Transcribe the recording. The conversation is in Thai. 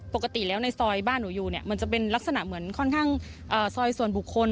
ปกติแล้วในซอยบ้านหนูอยู่เนี่ยมันจะเป็นลักษณะเหมือนค่อนข้างซอยส่วนบุคคล